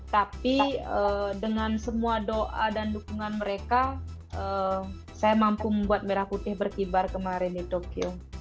tapi dengan semua doa dan dukungan mereka saya mampu membuat merah putih berkibar kemarin di tokyo